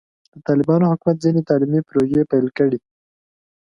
د طالبانو حکومت ځینې تعلیمي پروژې پیل کړي.